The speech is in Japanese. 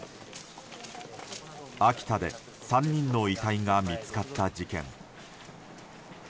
秋田で３人の遺体が見つかった事件。